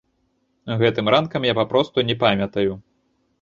Гэтым ранкам я папросту не памятаю.